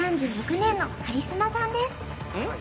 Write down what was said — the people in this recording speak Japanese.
３６年のカリスマさんですうん？